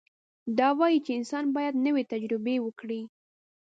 دا وایي چې انسان باید نوې تجربې وکړي.